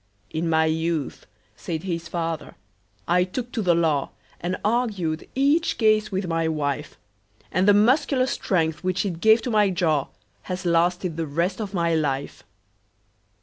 "In my youth," said his fater, "I took to the law, And argued each case with my wife; And the muscular strength, which it gave to my jaw, Has lasted the rest of my life."